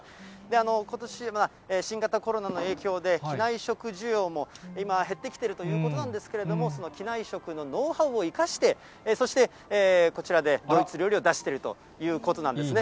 ことし新型コロナの影響で、機内食需要も今減ってきているということなんですけれども、機内食のノウハウを生かして、そしてこちらでドイツ料理を出しているということなんですね。